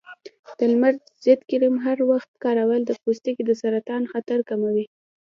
د لمر ضد کریم هر وخت کارول د پوستکي د سرطان خطر کموي.